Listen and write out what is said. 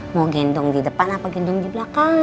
mau gendong di depan apa gendong di belakang